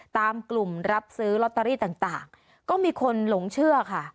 ตามกลุ่มรับซื้อลอตเตอรี่ต่างก็มีคนหลงเชื่อค่ะ